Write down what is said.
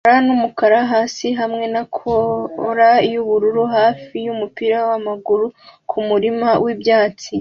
Umukara n'umukara hasi hamwe na cola yubururu hafi yumupira wamaguru kumurima wibyatsi